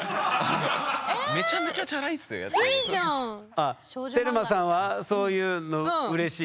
ああテルマさんはそういうのうれしい？